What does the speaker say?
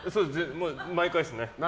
毎回ですね。